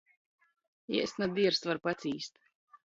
Ēst na dierst, var pacīst.